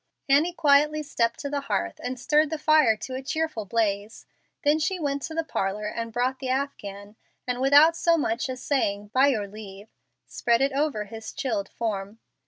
Annie quietly stepped to the hearth and stirred the fire to a cheerful blaze. She then went to the parlor and brought the afghan, and without so much as saying, "by your leave," spread it over his chilled form.